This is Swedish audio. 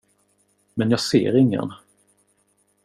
Men jag ser ingen.